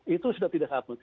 itu sudah tidak ada